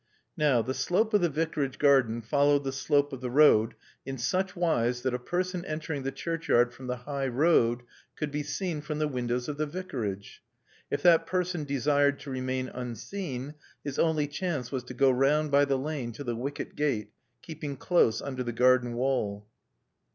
Now, the slope of the Vicarage garden followed the slope of the road in such wise that a person entering the churchyard from the high road could be seen from the windows of the Vicarage. If that person desired to remain unseen his only chance was to go round by the lane to the wicket gate, keeping close under the garden wall.